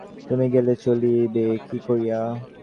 তুমি গেলে চলিবে কী করিয়া।